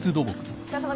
お疲れさん。